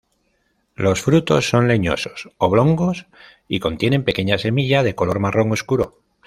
Los frutos son leñosos, oblongos y contienen pequeñas semilla de color marrón oscuro.